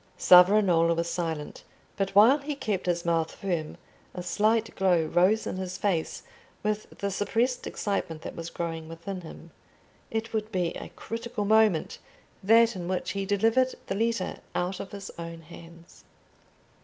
Savonarola was silent; but while he kept his mouth firm, a slight glow rose in his face with the suppressed excitement that was growing within him. It would be a critical moment—that in which he delivered the letter out of his own hands.